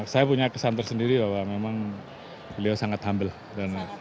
saya punya kesan tersendiri bahwa memang beliau sangat humble dan